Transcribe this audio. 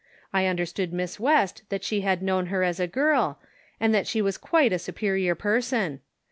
I understood Miss West that she had known her as a girl, and that she was quite a superior person.